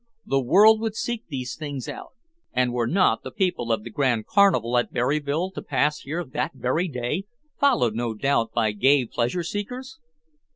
The world would seek these things out. And were not the people of the grand carnival at Berryville to pass here that very day, followed, no doubt, by gay pleasure seekers?